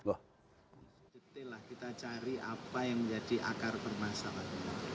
kita cari apa yang menjadi akar permasalahan